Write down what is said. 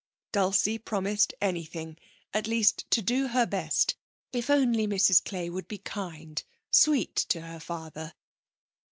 Dulcie promised anything, at least to do her best, if only Mrs Clay would be kind, sweet to her father.